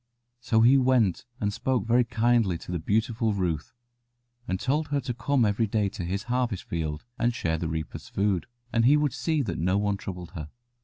So he went and spoke very kindly to the beautiful Ruth, and told her to come every day to his harvest field and share the reapers' food, and he would see that no one troubled her.